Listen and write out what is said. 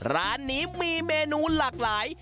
ร้านนี้มีเมนูหลากหลาย